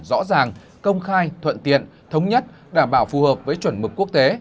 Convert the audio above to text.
rõ ràng công khai thuận tiện thống nhất đảm bảo phù hợp với chuẩn mực quốc tế